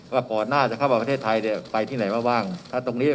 ก่อนหน้าจะเข้ามาประเทศไทยเนี่ยไปที่ไหนมาบ้างถ้าตรงนี้